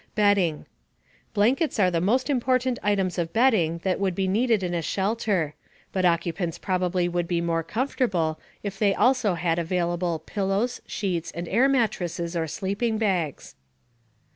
BEDDING. Blankets are the most important items of bedding that would be needed in a shelter, but occupants probably would be more comfortable if they also had available pillows, sheets, and air mattresses or sleeping bags.